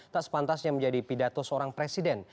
tak sepantasnya menjadi pidato seorang presiden